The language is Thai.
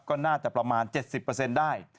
ก็น่าจะประมาณ๗๐เปอร์เซ็นต์ได้